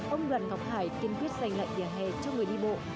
ông đoàn ngọc hải kiên quyết dành lại vỉa hè cho người đi bộ